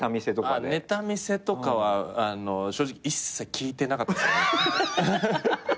ネタ見せとかは正直一切聞いてなかったです。